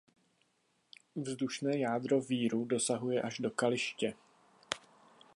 Vzdušné jádro víru dosahuje až do kaliště.